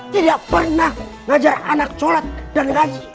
tidak pernah ngajar anak sholat dan ngaji